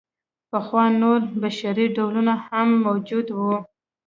پخوا نور بشري ډولونه هم موجود وو.